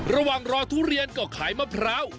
ระหว่างรอทุเรียนก็ขายมะพร้าว